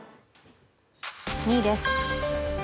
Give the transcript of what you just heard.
２位です。